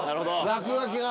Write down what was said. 落書きが。